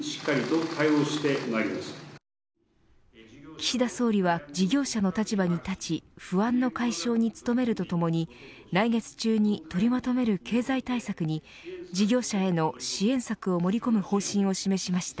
岸田総理は事業者の立場に立ち不安の解消に努めるとともに来月中に取りまとめる経済対策に事業者への支援策を盛り込む方針を示しました。